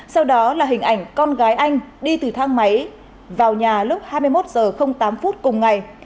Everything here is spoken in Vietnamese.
sau đó là hình ảnh con gái anh đi từ thang máy vào nhà lúc hai mươi một h tám cùng ngày